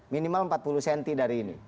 minimal empat puluh cm dari ini